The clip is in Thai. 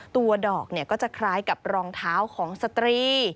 ตัวดอกก็จะคล้ายกับรองเท้าของสตรี